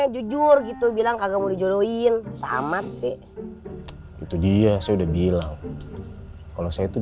jujur gitu bilang kagak mau dijodohin sama sih itu dia sudah bilang kalau saya itu